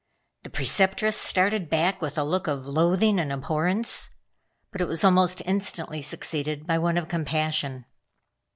The Preceptress started back with a look of loathing and abhorrence; but it was almost instantly succeeded by one of compassion.